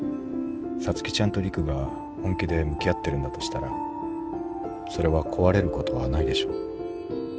皐月ちゃんと陸が本気で向き合ってるんだとしたらそれは壊れることはないでしょ。